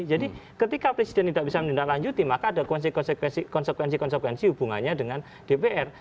jadi ketika presiden tidak bisa menindaklanjuti maka ada konsekuensi konsekuensi hubungannya dengan dpr